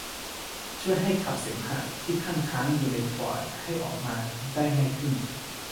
ช่วยให้ขับเสมหะที่คั่งค้างอยู่ในปอดให้ออกมาได้ง่ายขึ้น